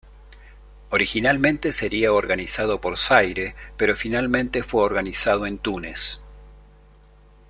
Originalmente sería organizado por Zaire pero finalmente fue organizado en Túnez.